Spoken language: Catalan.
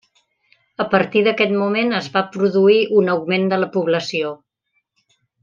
A partir d'aquest moment es va produir un augment de la població.